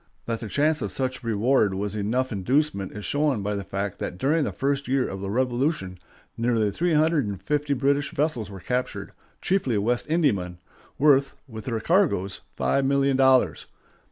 That the chance of such reward was enough inducement is shown by the fact that during the first year of the Revolution nearly three hundred and fifty British vessels were captured, chiefly West Indiamen, worth, with their cargoes, five million dollars.